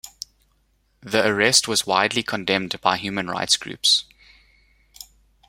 The arrest was widely condemned by human rights groups.